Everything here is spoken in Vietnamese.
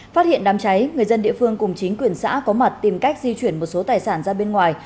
phát hiện đám cháy người dân địa phương cùng chính quyền xã có mặt tìm cách di chuyển một số tài sản ra bên ngoài